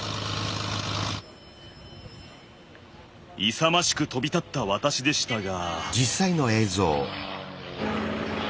勇ましく飛び立った私でしたが。